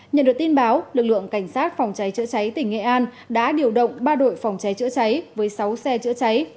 nhận được tin báo lực lượng cảnh sát phòng cháy chữa cháy tỉnh nghệ an đã điều động ba đội phòng cháy chữa cháy với sáu xe chữa cháy